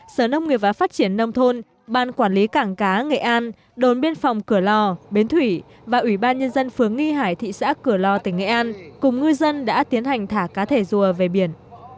sở nông nghiệp và phát triển nông thôn ban quản lý cảng cá nghệ an đồn biên phòng cửa lò bến thủy và ủy ban nhân dân phướng nghi hải thị xã cửa lò tỉnh nghệ an cùng ngư dân đã tiến hành thả cá thể rùa về biển